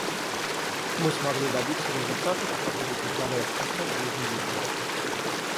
Мы смогли добиться результатов, которые позволяют спасать жизни людей.